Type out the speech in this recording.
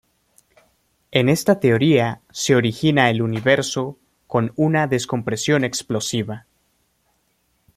En esta teoría se origina el universo con una descompresión explosiva.